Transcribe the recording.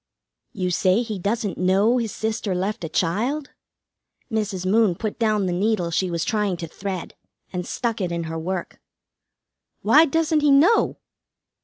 "You say he doesn't know his sister left a child?" Mrs. Moon put down the needle she was trying to thread, and stuck it in her work. "Why doesn't he know?"